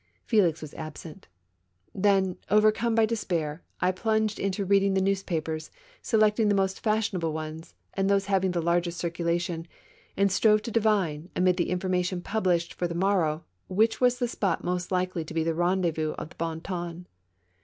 Felix was absent. Then, overcome by despair, I plunged into reading the news papers, selecting the most fashionable ones and those having the largest circulation, and strove to divine, amid the information published for the morrow, which was the spot most likely to be the rendezvous of the bon ton.